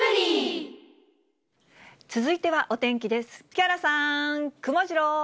続いてはお天気です。